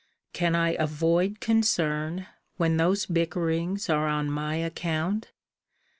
Can I avoid concern, when those bickerings are on my account?